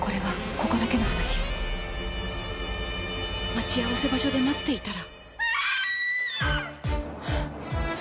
待ち合わせ場所で待っていたら。